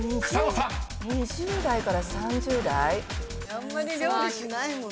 あんまり料理しないもんね。